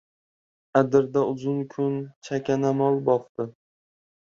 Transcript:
Adirda uzun kun chakana mol boqdi.